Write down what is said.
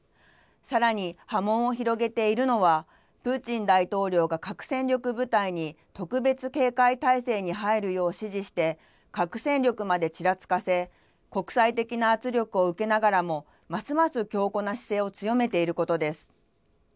さらに波紋を広げているのは、プーチン大統領が核戦力部隊に特別警戒態勢に入るよう指示して、核戦力までちらつかせ、国際的な圧力を受けながらも、ますます強硬な姿勢を強めていることです。